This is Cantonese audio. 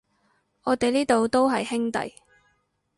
我哋呢度都係兄弟